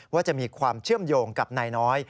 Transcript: ว่าจะมีความเชื่อมโยงกับนายน้อย